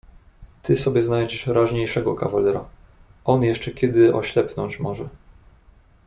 "Ty sobie znajdziesz raźniejszego kawalera... On jeszcze kiedy oślepnąć może."